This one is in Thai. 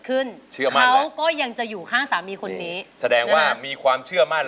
พร้อมแล้วนะครับอินโทรเพลงที่๙มูลค่า๕แสนบาท